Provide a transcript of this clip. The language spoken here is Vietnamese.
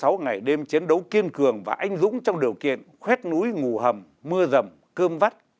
trải qua năm mươi sáu ngày đêm chiến đấu kiên cường và anh dũng trong điều kiện khuét núi ngủ hầm mưa rầm cơm vắt